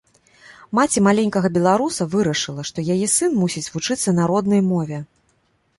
Маці маленькага беларуса вырашыла, што яе сын мусіць вучыцца на роднай мове.